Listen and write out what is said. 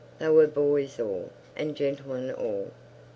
They were boys all, and gentlemen all.